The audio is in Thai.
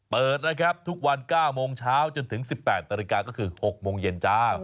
เปิดนะครับทุกวัน๙โมงเช้าจนถึง๑๘นาฬิกาก็คือ๖โมงเย็นจ้า